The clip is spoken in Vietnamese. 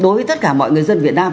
đối với tất cả mọi người dân việt nam